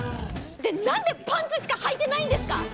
で何でパンツしかはいてないんですか！？